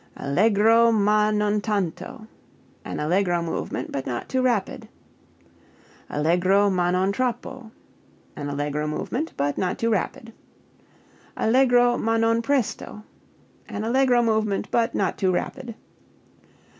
Allegro (ma) non tanto an allegro movement, but not too rapid. Allegro (ma) non troppo an allegro movement, but not too rapid. Allegro (ma) non presto an allegro movement, but not too rapid.